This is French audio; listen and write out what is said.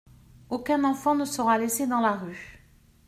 Aucun enfant ne sera laissé dans la rue.